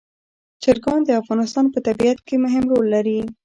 چرګان د افغانستان په طبیعت کې مهم رول لري.